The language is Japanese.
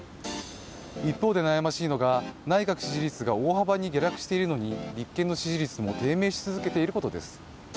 一方で悩ましいのが内閣支持率が大幅に下落しているのに立憲の支持率も低迷し続けていることです。